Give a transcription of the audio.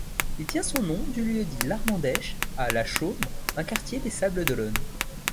Il tient son nom du lieu-dit l'Armandèche, à La Chaume, un quartier des Sables-d'Olonne.